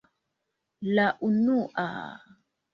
La unua...